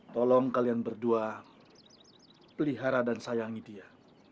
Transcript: tolong kalian berdua pelihara dan sayangi dia